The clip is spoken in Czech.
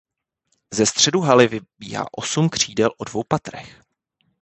Ze středu haly vybíhá osm křídel o dvou patrech.